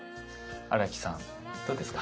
荒木さんどうですか？